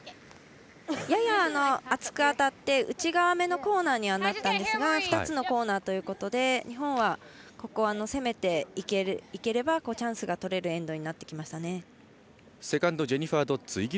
やや厚く当たって内側めのコーナーにはなったんですが２つのコーナーということで日本はここ、攻めていければチャンスがとれるエンドにセカンドジェニファー・ドッズ。